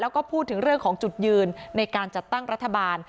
แล้วก็พูดถึงเรื่องของจุดยืนในการจัดตั้งรัฐบาล